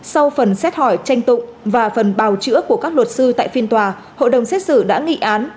sau phần xét hỏi tranh tụng và phần bào chữa của các luật sư tại phiên tòa hội đồng xét xử đã nghị án